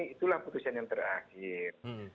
itulah putusan yang terakhir